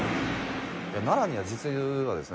奈良には実はですね